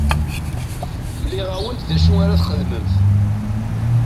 Mliɣ-awent d acu ara txedmemt.